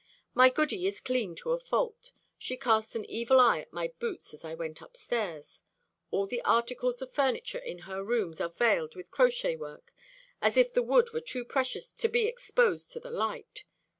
My goody is clean to a fault. She cast an evil eye at my boots as I went up stairs. All the articles of furniture in her rooms are veiled with crochet work, as if the wood were too precious to be exposed to the light.